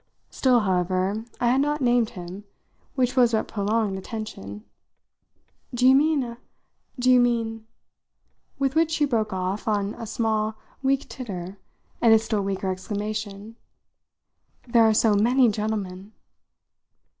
Still, however, I had not named him which was what prolonged the tension. "Do you mean a do you mean ?" With which she broke off on a small weak titter and a still weaker exclamation. "There are so many gentlemen!"